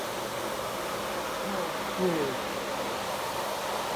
喔不